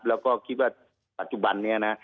แล้วก็คิดว่าปัจจุบันนี้นะ